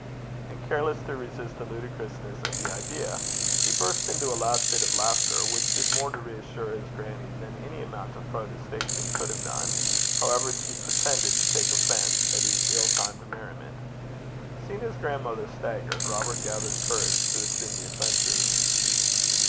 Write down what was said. And careless to resist the ludicrousness of the idea, he burst into a loud fit of laughter, which did more to reassure his grannie than any amount of protestation could have done, however she pretended to take offence at his ill timed merriment. Seeing his grandmother staggered, Robert gathered courage to assume the offensive.